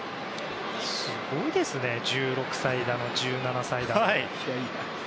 すごいですね１６歳だの、１７歳だの。